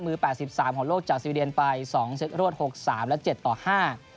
มือ๘๓ของโลกจากสวีเดียนไป๒เสร็จรวด๖๓และ๗ต่อ๕